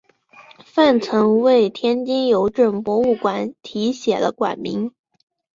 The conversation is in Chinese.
范曾为天津邮政博物馆题写了馆名。